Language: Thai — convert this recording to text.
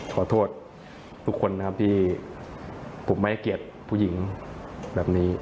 ขอโทษทุกคนนะครับที่ผมไม่ให้เกียรติผู้หญิงแบบนี้